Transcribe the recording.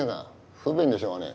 不便でしょうがねえ。